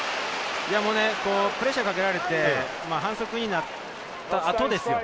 プレッシャーをかけられて反則になって、後ですよね。